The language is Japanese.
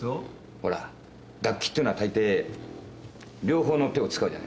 ほら「楽器」っていうのは大抵両方の手を使うじゃないですか。